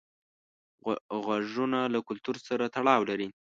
غږونه له کلتور سره تړاو لري.